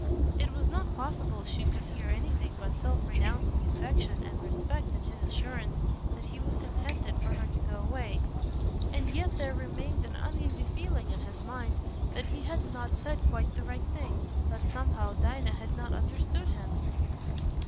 It was not possible she should hear anything but self renouncing affection and respect in his assurance that he was contented for her to go away; and yet there remained an uneasy feeling in his mind that he had not said quite the right thing—that, somehow, Dinah had not understood him.